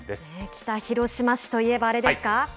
北広島市といえばあれですか？